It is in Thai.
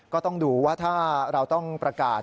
ก็ต้องดูว่าถ้าเราต้องประกาศ